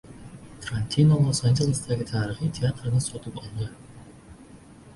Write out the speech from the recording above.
Tarantino Los-Anjelesdagi tarixiy teatrni sotib oldi